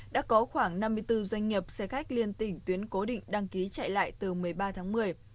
đã có khoảng năm mươi bốn doanh nghiệp xe khách liên tỉnh tuyến cố định đăng ký chạy lại từ một mươi ba tháng một mươi